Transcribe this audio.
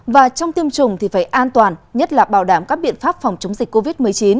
và trong tiêm chủng thì phải an toàn nhất là bảo đảm các biện pháp phòng chống dịch covid một mươi chín